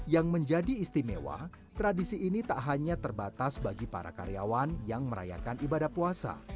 yang menjadi istimewa tradisi ini tak hanya terbatas bagi para karyawan yang merayakan ibadah puasa